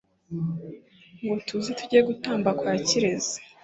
ngo tuze tuge gutamba kwa kirezi